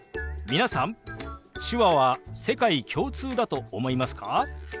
皆さん手話は世界共通だと思いますか？